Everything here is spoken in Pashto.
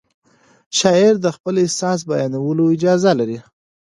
شاعر د خپل احساس بیانولو اجازه لري.